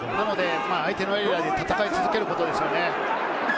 相手のエリアで戦い続けることですよね。